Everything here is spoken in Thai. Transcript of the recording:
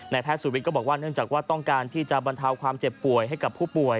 แพทย์สุวิทย์ก็บอกว่าเนื่องจากว่าต้องการที่จะบรรเทาความเจ็บป่วยให้กับผู้ป่วย